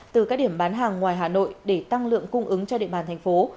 từ các điểm bán hàng ngoài hà nội để tăng lượng cung ứng cho địa bàn thành phố